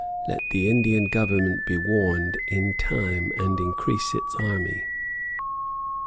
Let the Indian Government be warned in time and increase its army.